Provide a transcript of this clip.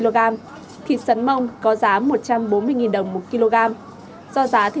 do giá thịt lợn tăng cao nên lượng người mua cũng giảm rõ rệt